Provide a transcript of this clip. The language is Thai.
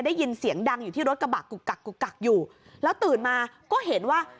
ได้ยินเสียงดังอยู่ที่รถกระบะกุกกักกุกกักอยู่แล้วตื่นมาก็เห็นว่า